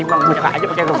ini mau buka aja pakai rebutan